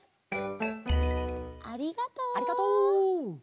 ありがとう！